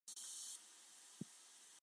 举人出身。